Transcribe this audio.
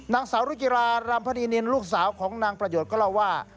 นางสาวรุจิรารำพนีนินลูกสาวของนางประโยชน์ก็เล่าว่า